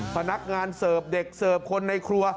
พนักงานเสิร์ฟเด็กเสิร์ฟคนในครัว